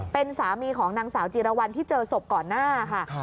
เป็นสามีของนางสาวจีรวรรณที่เจอศพก่อนหน้าค่ะ